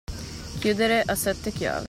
Chiudere a sette chiavi.